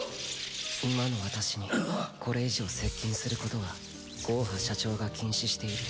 今の私にこれ以上接近することはゴーハ社長が禁止している。